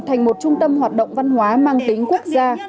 thành một trung tâm hoạt động văn hóa mang tính quốc gia